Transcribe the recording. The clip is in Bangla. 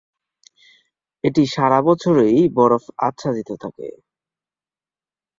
এটি সারা বছরই বরফ আচ্ছাদিত থাকে।